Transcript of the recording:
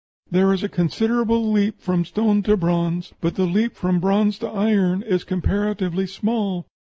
There is a considerable leap from stone to bronze, but the leap from bronze to iron is comparatively small....